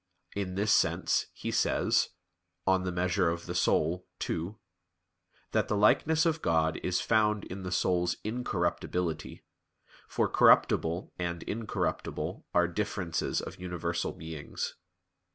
In this sense he says (De Quant. Animae ii) that the likeness of God is found in the soul's incorruptibility; for corruptible and incorruptible are differences of universal beings.